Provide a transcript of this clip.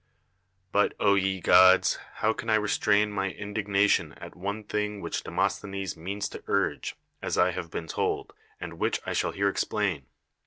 But, O ye trods! how can I restrain my indig nation at one thing which Demosthenes means to urge (as I liave been told), and which I shall here ('xjWain?